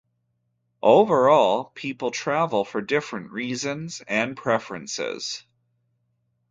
Overall, people travel for different reasons and preferences.